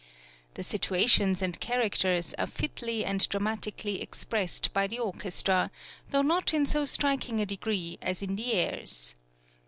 The situations and characters are fitly and dramatically expressed by the orchestra, though not in so striking a degree as in the airs.